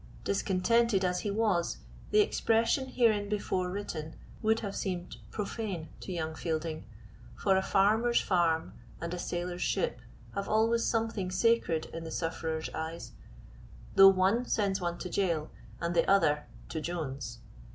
Discontented as he was, the expression hereinbefore written would have seemed profane to young Fielding, for a farmer's farm and a sailor's ship have always something sacred in the sufferer's eyes, though one sends one to jail, and the other the other to Jones.